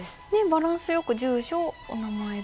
バランスよく住所お名前で。